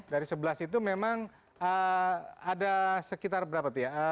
dari sebelas itu memang ada sekitar berapa tuh ya